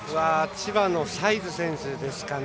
千葉のサイズ選手ですかね。